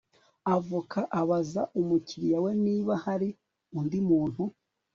avoka abaza umukiriya we niba hari undi muntu